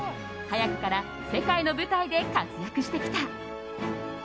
早くから世界の舞台で活躍してきた。